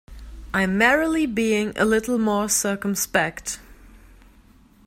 I'm merely being a little more circumspect.